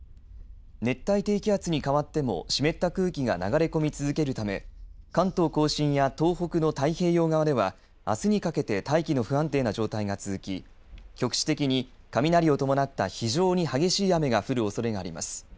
熱帯低気圧に変わっても湿った空気が流れ込み続けるため関東甲信や東北の太平洋側ではあすにかけて大気の不安定な状態が続き局地的に雷を伴った非常に激しい雨が降るおそれがあります。